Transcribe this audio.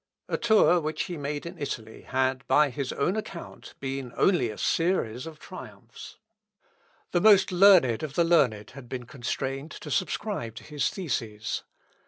A tour which he made in Italy had, by his own account, been only a series of triumphs. The most learned of the learned had been constrained to subscribe to his theses.